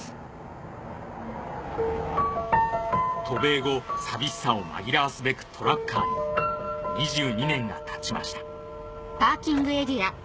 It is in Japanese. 渡米後寂しさを紛らわすべくトラッカーに２２年が経ちました